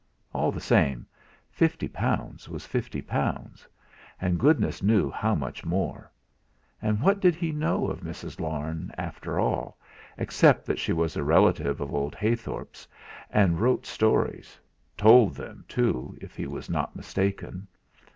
All the same, fifty pounds was fifty pounds, and goodness knew how much more; and what did he know of Mrs. Larne, after all, except that she was a relative of old Heythorp's and wrote stories told them too, if he was not mistaken?